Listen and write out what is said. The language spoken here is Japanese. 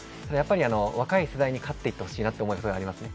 若い世代に勝っていってほしいなと思うところがあります。